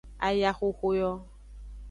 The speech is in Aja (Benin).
Ayaxoxo yo.